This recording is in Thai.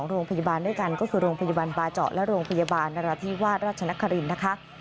โรงพยาบาลด้วยกันก็คือโรงพยาบาลบาเจาะและโรงพยาบาลนราธิวาสราชนครินทร์นะคะ